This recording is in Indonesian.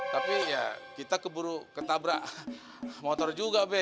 tapi ya kita keburu ketabrak motor juga bek